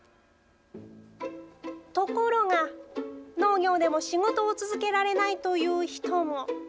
ところが農業でも仕事を続けられないという人も。